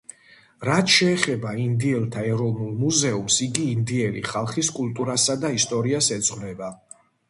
რაც შეეხება ინდიელთა ეროვნულ მუზეუმს, იგი ინდიელი ხალხის კულტურასა და ისტორიას ეძღვნება.